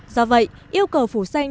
do vậy yêu cầu phủ xanh